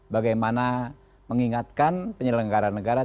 bagaimana mengingatkan penyelenggara negara